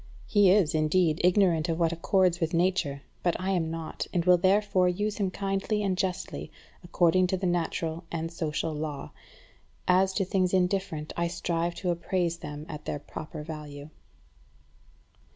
He is, indeed, ignorant of what accords with nature; but I am not, and will therefore use him kindly and justly, according to the natural and social law. As to things indifferent, I strive to appraise them at their proper value."